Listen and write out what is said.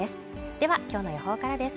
では、今日の予報からです。